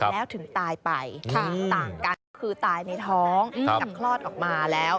แล้วถึงตายไปต่างกันก็คือตายในท้องกับคลอดออกมาแล้ว